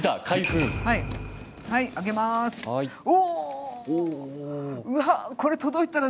はい。